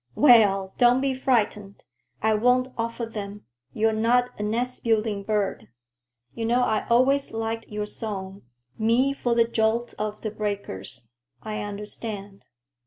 "Well, don't be frightened. I won't offer them. You're not a nest building bird. You know I always liked your song, 'Me for the jolt of the breakers!' I understand."